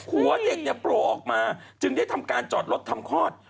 หัวเด็กเนี่ยโผล่ออกมาจึงได้ทำการจอดรถทำคลอด